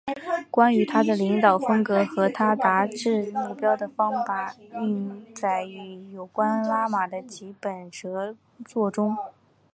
关于他的领导风格和他达至目标的方法均载于有关拉玛的几本着作中。